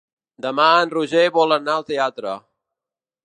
Demà en Roger vol anar al teatre.